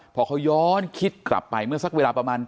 พอเขาย้อนคิดกลับไปเมื่อสักเวลาประมาณ